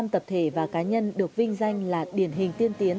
một trăm năm mươi năm tập thể và cá nhân được vinh danh là điển hình tiên tiến